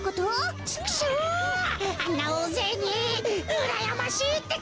うらやましいってか！